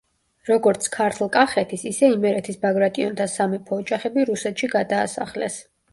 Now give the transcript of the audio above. როგორც ქართლ-კახეთის, ისე იმერეთის ბაგრატიონთა სამეფო ოჯახები რუსეთში გადაასახლეს.